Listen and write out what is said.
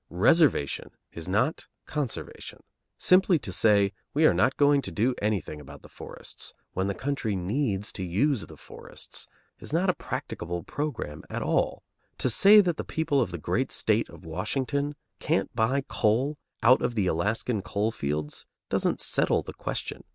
Reservation is not conservation. Simply to say, "We are not going to do anything about the forests," when the country needs to use the forests, is not a practicable program at all. To say that the people of the great State of Washington can't buy coal out of the Alaskan coal fields doesn't settle the question.